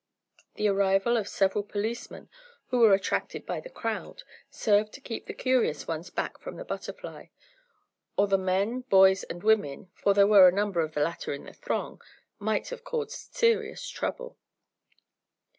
The arrival of several policemen, who were attracted by the crowd, served to keep the curious ones back away from the BUTTERFLY, or the men, boys and women (for there were a number of the latter in the throng) might have caused serious trouble.